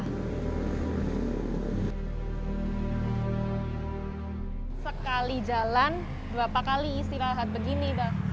sekali jalan berapa kali istirahat begini mbak